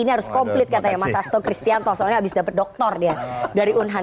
ini harus komplit katanya mas asto kristianto soalnya habis dapat doktor dia dari unhan